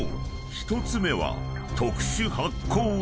１つ目は］